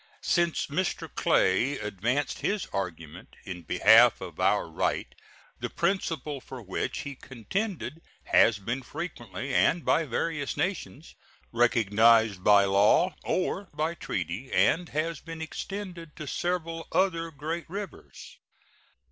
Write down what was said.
Since Mr. Clay advanced his argument in behalf of our right the principle for which he contended has been frequently, and by various nations, recognized by law or by treaty, and has been extended to several other great rivers.